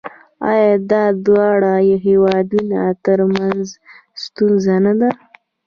آیا دا د دواړو هیوادونو ترمنځ ستونزه نه ده؟